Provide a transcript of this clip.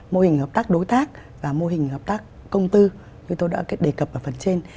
mô hình hợp tác đối tác và mô hình hợp tác công tư như tôi đã đề cập ở phần trên